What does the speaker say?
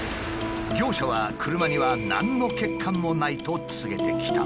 業者は車には何の欠陥もないと告げてきた。